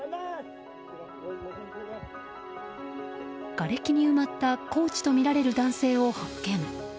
がれきに埋まったコーチとみられる男性を発見。